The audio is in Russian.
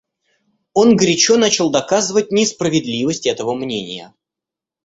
Он горячо начал доказывать несправедливость этого мнения.